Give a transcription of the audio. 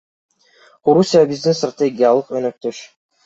Орусия — биздин стратегиялык өнөктөш.